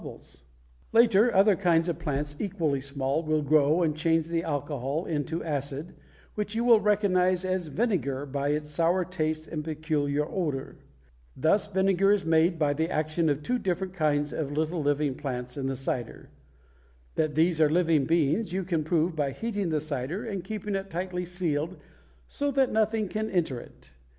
YEAST PLANTS A, a single plant; B, group of two budding cells; C, group of several cells] Later, other kinds of plants equally small will grow and change the alcohol into an acid which you will recognize as vinegar by its sour taste and peculiar odor. Thus vinegar is made by the action of two different kinds of little living plants in the cider. That these are living beings you can prove by heating the cider and keeping it tightly sealed so that nothing can enter it.